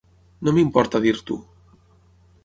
No m'importa dir-t'ho.